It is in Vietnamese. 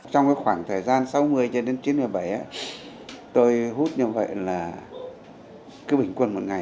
trong khoảng thời gian sáu mươi cho đến chín mươi bảy tôi hút như vậy là cứ bình quân một ngày